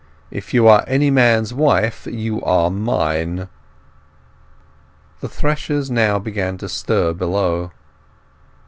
If you are any man's wife you are mine!" The threshers now began to stir below.